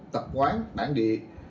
tập quán bản địa